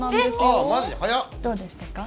どうでしたか？